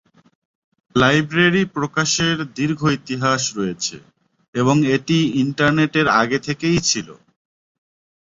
Library প্রকাশের দীর্ঘ ইতিহাস রয়েছে এবং এটি ইন্টারনেটের আগে থেকেই ছিল।